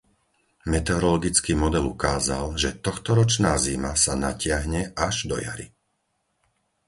Meteorologický model ukázal, že tohtoročná zima sa natiahne až do jari.